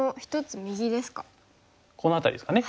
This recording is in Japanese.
この辺りですかね。